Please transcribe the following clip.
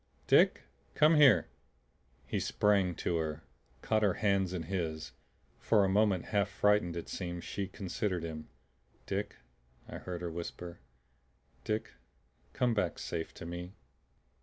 Dick come here!" He sprang to her, caught her hands in his. For a moment, half frightened it seemed, she considered him. "Dick," I heard her whisper. "Dick come back safe to me!"